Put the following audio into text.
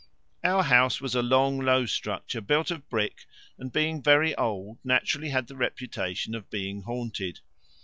Our house was a long low structure, built of brick, and, being very old, naturally had the reputation of being haunted.